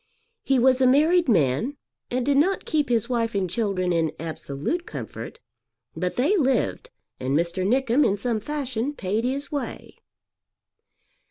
He was a married man and did not keep his wife and children in absolute comfort; but they lived, and Mr. Nickem in some fashion paid his way.